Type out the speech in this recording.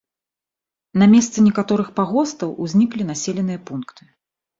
На месцы некаторых пагостаў узніклі населеныя пункты.